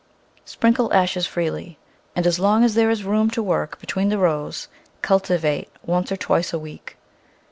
Sprinkle ashes freely, and as long as there is room to work between the rows cultivate once or twice a week.